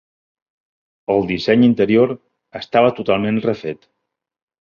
El disseny interior estava totalment refet.